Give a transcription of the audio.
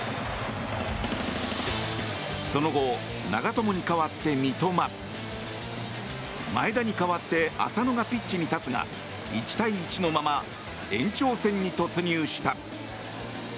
その後、長友に代わって三笘前田に代わって浅野がピッチに立つが１対１のまま延長戦に突入した。